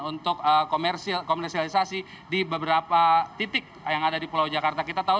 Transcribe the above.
untuk komersialisasi di beberapa titik yang ada di pulau jakarta kita tahu